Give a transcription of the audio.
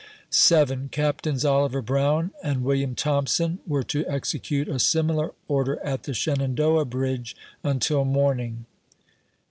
7. Captains Oliver Brown and William Thompson were to execute a similar order at the Shenandoah bridge, until morning.